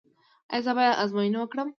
ایا زه باید ازموینې وکړم؟